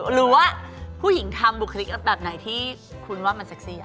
หรือว่าผู้หญิงทำบุคลิกแบบไหนที่คุณว่ามันเซ็กซี่